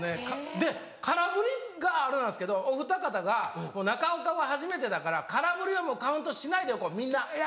で空振りがあれなんですけどおふた方が「中岡は初めてだから空振りはカウントしないでおこう。